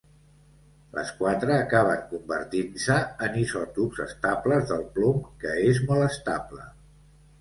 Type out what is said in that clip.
Les quatre acaben convertint-se en isòtops estables del plom, que és molt estable.